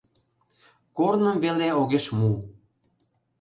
Корным веле огеш му.